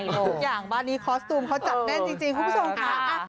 ทุกอย่างบ้านนี้คอสตูมเขาจัดแน่นจริงคุณผู้ชมค่ะ